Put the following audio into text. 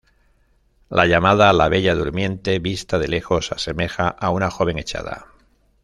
La llamada la "Bella Durmiente", vista desde lejos, asemeja a una joven echada.